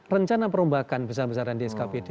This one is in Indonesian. rencana perombakan besar besaran di skpd